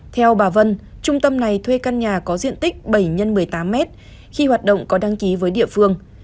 theo bà vân trung tâm này thuê căn nhà có diện tích bảy x một mươi tám mét khi hoạt động có đăng ký với địa phương